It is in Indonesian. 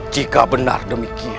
jika benar demikian